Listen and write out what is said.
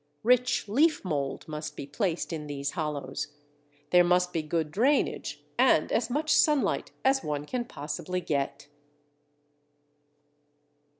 Rich leaf mould must be placed in these hollows. There must be good drainage, and as much sunlight as one can possibly get.